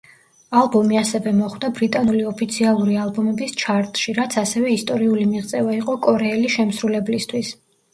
ალბომი ასევე მოხვდა ბრიტანული ოფიციალური ალბომების ჩარტში, რაც ასევე ისტორიული მიღწევა იყო კორეელი შემსრულებლისთვის.